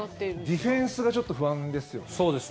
ディフェンスがちょっと不安ですよね。